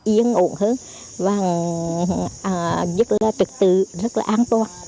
yên ổn hơn và rất là trực tự rất là an toàn